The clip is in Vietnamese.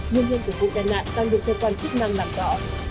nguyên nhân của vụ nạn đang được theo quan chức năng đặt rõ